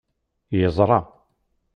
Yeẓra.